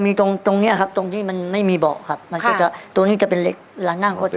มีปัญหาอะไรบ้างไหมคะ